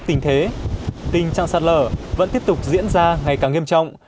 tình trạng sạt lở vẫn tiếp tục diễn ra ngày càng nghiêm trọng